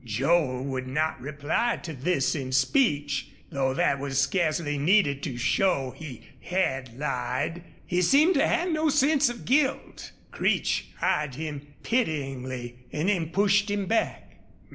Joel would not reply to this in speech, though that was scarcely needed to show he had lied. He seemed to have no sense of guilt. Creech eyed him pityingly and then pushed him back.